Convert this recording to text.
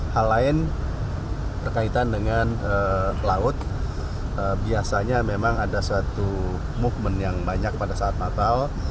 hal lain berkaitan dengan laut biasanya memang ada suatu movement yang banyak pada saat natal